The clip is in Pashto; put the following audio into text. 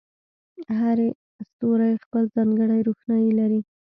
هر ستوری خپله ځانګړې روښنایي لري.